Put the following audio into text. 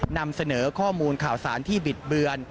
นำเสนอข้อมูลข่าวสารที่บิดเบือน